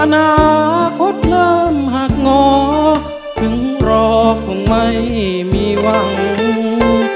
อนาคตงามหักงอถึงรอคงไม่มีหวัง